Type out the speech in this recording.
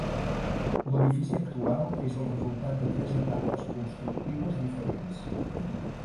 L'edifici actual és el resultat de tres etapes constructives diferents.